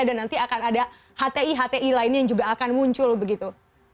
dan nanti akan ada hti hti lainnya yang juga akan muncul begitu